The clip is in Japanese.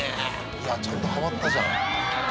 いや、ちゃんとハマったじゃん。